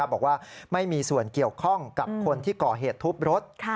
บอกว่าไม่มีส่วนเกี่ยวข้องกับคนที่ก่อเหตุทุบรถ